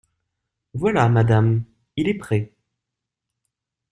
Voilà, madame, il est prêt.